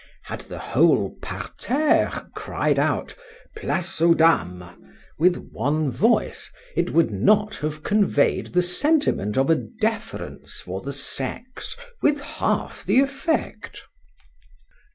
Had the whole parterre cried out, Place aux dames, with one voice, it would not have conveyed the sentiment of a deference for the sex with half the effect.